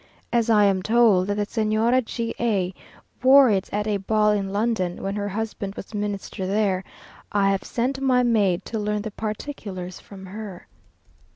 As I am told that the Señora G a wore it at a ball in London, when her husband was Minister there, I have sent my maid to learn the particulars from her.